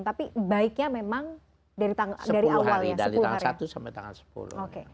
tapi baiknya memang dari awalnya sepuluh hari dari tanggal satu sampai tanggal sepuluh